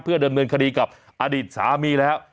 เพื่อด่นเมืองคดีกับอดิษฐ์สามีแล้ว